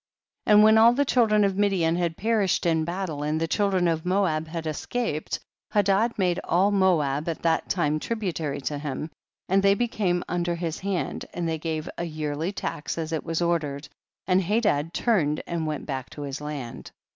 13. And when all the children of Midian had perished in battle, and the children of Moab had escaped, Hadad made all Moab at that time tributary to him, and they became un der his hand, and they gave a yearly tax as it was ordered, and Hadad tm ned and went back to his land.